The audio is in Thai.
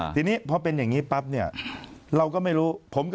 ทีนี้พอเป็นอย่างนี้ปั๊บเนี่ยเราก็ไม่รู้